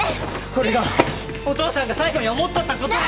これがお父さんが最後に思っとったことや！